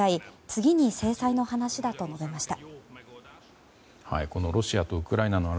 次に制裁の話だと述べました。